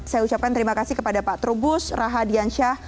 saya ucapkan terima kasih kepada pak trubus rahad yansyah